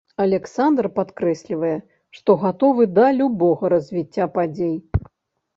Аляксандр падкрэслівае, што гатовы да любога развіцця падзей.